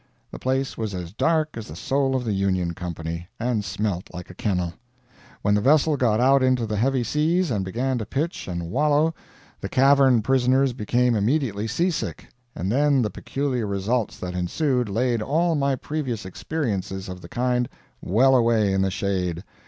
The place was as dark as the soul of the Union Company, and smelt like a kennel. When the vessel got out into the heavy seas and began to pitch and wallow, the cavern prisoners became immediately seasick, and then the peculiar results that ensued laid all my previous experiences of the kind well away in the shade.